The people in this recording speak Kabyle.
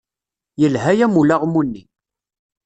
Yelha-yam ulaɣmu-nni.